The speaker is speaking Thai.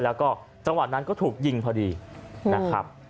แล้วก็จังหวะนั้นก็ถูกยิงพอดีนะครับ